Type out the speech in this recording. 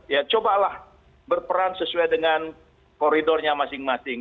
ya cobalah berperan sesuai dengan koridornya masing masing